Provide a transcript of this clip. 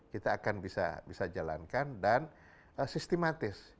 kita akan bisa jalankan dan sistematis